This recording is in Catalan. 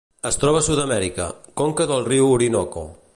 Es troba a Sud-amèrica: conca del riu Orinoco.